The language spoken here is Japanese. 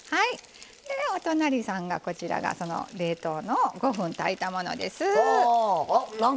お隣さんが冷凍の５分炊いたものです。